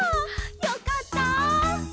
よかった！